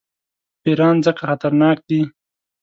پیران ځکه خطرناک دي.